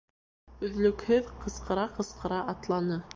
Өҙлөкһөҙ ҡысҡыра-ҡысҡыра атланы.